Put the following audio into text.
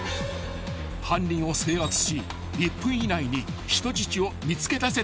［犯人を制圧し１分以内に人質を見つけ出せたらクリア］